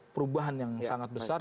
perubahan yang sangat besar